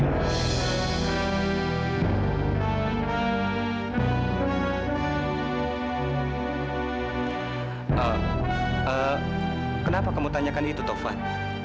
eh eh kenapa kamu tanyakan itu tovan